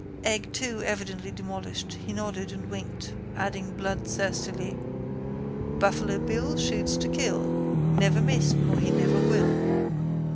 Egg two evidently demolished, he nodded and winked, adding bloodthirstily: _—Buffalo Bill shoots to kill, Never missed nor he never will.